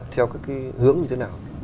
theo các cái hướng như thế nào